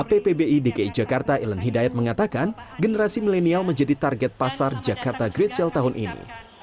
appbi dki jakarta elen hidayat mengatakan generasi milenial menjadi target pasar jakarta great sale tahun ini